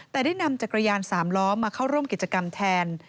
แต่ได้นำจักรยานสามล้อมาเข้าร่วมกิจกรรมแทน